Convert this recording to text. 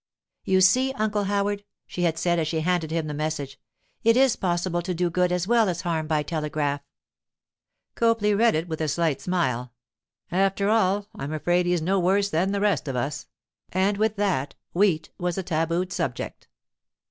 'You see, Uncle Howard,' she had said as she handed him the message, 'it is possible to do good as well as harm by telegraph.' Copley read it with a slight smile. 'After all, I'm afraid he's no worse than the rest of us!' and with that, wheat was a tabooed subject.